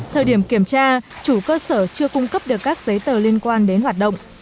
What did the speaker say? thời điểm kiểm tra chủ cơ sở chưa cung cấp được các giấy tờ liên quan đến hoạt động